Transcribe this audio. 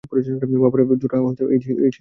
বাবার জুতো জোড়া হয়ত এই শীতে আমার হবে।